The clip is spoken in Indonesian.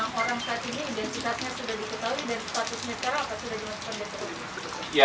apakah enam orang saat ini identitasnya sudah diketahui dan statusnya sekarang sudah dimaksudkan